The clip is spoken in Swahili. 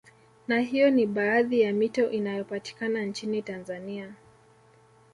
Na hiyo ni baadhi ya mito inayopatikana nchini Tanzania